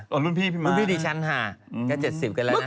อ๋อรุ่นพี่พี่ม้าฮะรุ่นพี่ดิฉันฮ่าก็เจ็ดสิบกันแล้วนะฮะ